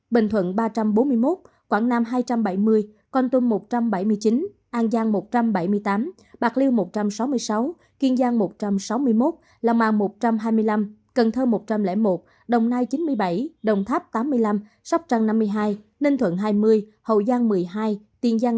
bình thuận ba trăm bốn mươi một quảng nam hai trăm bảy mươi con tum một trăm bảy mươi chín an giang một trăm bảy mươi tám bạc liêu một trăm sáu mươi sáu kiên giang một trăm sáu mươi một long an một trăm hai mươi năm cần thơ một trăm linh một đồng nai chín mươi bảy đồng tháp tám mươi năm sóc trăng năm mươi hai ninh thuận hai mươi hậu giang một mươi hai tiền giang